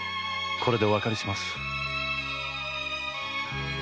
これでお別れします